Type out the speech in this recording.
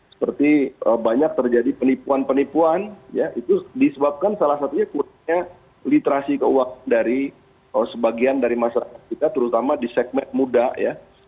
seperti banyak terjadi penipuan penipuan ya itu disebabkan salah satunya kurangnya literasi keuangan dari sebagian dari masyarakat kita terutama di segmen muda ya